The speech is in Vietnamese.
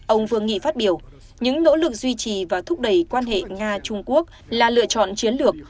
ông vương nghị phát biểu những nỗ lực duy trì và thúc đẩy quan hệ nga trung quốc là lựa chọn chiến lược